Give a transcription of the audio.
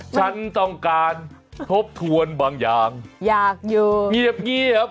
ฉันต้องการทบทวนบางอย่างเงียบคนเดียว